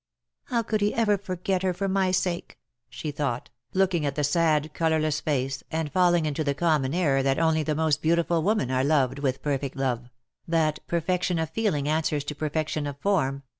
^' How could he ever forget her for my sake V she thought, looking at that sad colourless face, and falling into the common error that only the most beautiful women are loved with perfect love, that perfection of feeling answers to perfection of form 268 LE SECRET DE POLICHINELLE.